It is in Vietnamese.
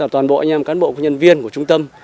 gọi nhầm cán bộ công nhân viên của trung tâm